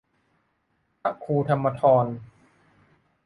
พระครูธรรมธร